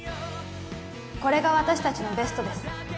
これが私達のベストです